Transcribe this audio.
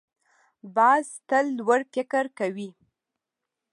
باز تل لوړ فکر کوي